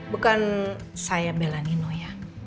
bukan saya belan ino ya